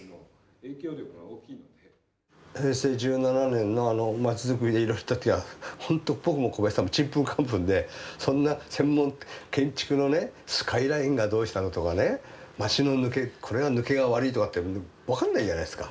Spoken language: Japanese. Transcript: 平成１７年のあのまちづくりをやった時はほんと僕も小林さんもちんぷんかんぷんでそんな専門建築のねスカイラインがどうしたのとかね街の抜けこれは抜けが悪いとかって分かんないじゃないですか。